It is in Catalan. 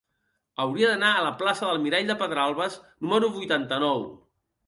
Hauria d'anar a la plaça del Mirall de Pedralbes número vuitanta-nou.